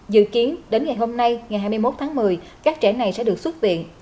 dự kiến đến ngày hôm nay ngày hai mươi một tháng một mươi các trẻ này sẽ được xuất viện